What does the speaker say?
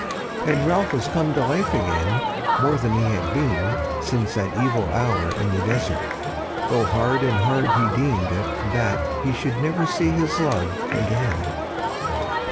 And Ralph was come to life again more than he had been since that evil hour in the desert; though hard and hard he deemed it that he should never see his love again.